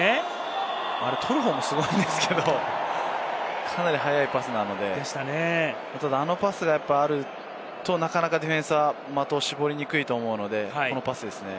取る方もすごいんですけど、かなり速いパスなので、あのパスがやっぱりあると、なかなかディフェンスは絞りにくいと思うので、このパスですね。